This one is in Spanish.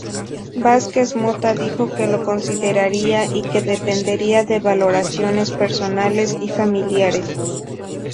Vázquez Mota dijo que lo consideraría y que dependería de valoraciones personales y familiares.